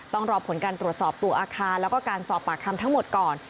ต้องรอผลการตรวจสอบตัวอาคารแล้วก็การสอบปากคำทั้งหมดก่อน